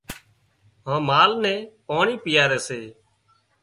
هانَ مال نين پاڻي پيئاري سي